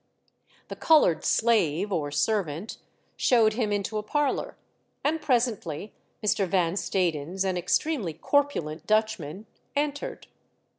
The coloured slave, or servant, showed him into a parlour, and presently Mr. Van Stadens, an extremely corpulent Dutchman, entered.